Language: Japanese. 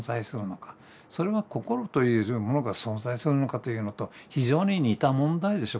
それは心というものが存在するのかというのと非常に似た問題でしょ